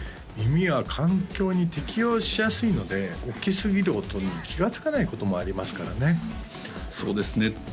耳は環境に適応しやすいので大きすぎる音に気がつかないこともありますからねそうですね